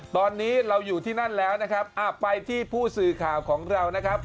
ตอนนี้เราอยู่ที่นั่นแล้วนะครับไปที่ผู้สื่อข่าวของเรานะครับ